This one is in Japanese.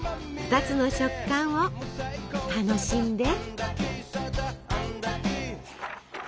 ２つの食感を楽しんで。